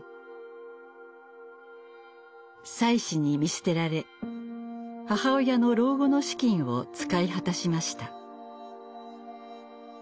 妻子に見捨てられ母親の老後の資金を使い果たしました。